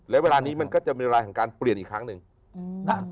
และเวลานี้มันก็จะมีเวลาของการเปลี่ยนอีกครั้งหนึ่งนะ